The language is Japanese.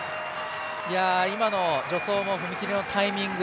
今の助走も踏み切りのタイミング